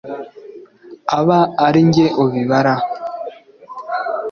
aba ari jye ubibaraho